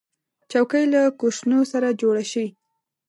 چوکۍ له کوشنو سره جوړه شي.